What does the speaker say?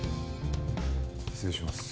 失礼します。